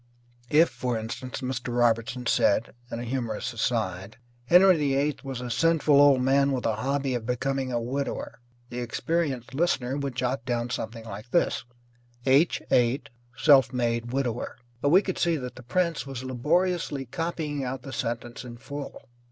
If, for instance, Mr. Robertson said (in a humorous aside), "Henry VIII was a sinful old man with a hobby of becoming a widower," the experienced listener would jot down something like this: H 8, self made widower. But we could see that the prince was laboriously copying out the sentence in full.